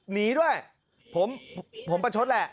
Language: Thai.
หนีด้วยผมประชดแหละ